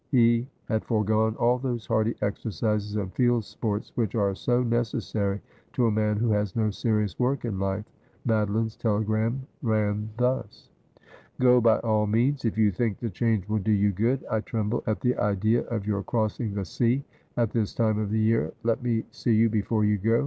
He had foregone all those hardy exercises and field sports which are so necessary to a man who has no serious work in life. Madoline's telegram ran thus :' Go by all means, if you think the change will do you good. 256 Asphodel, I tremble at the idea of your crossing the sea at this time of the year. Let me see you before you go.